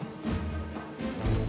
kita bisa bandingkan ya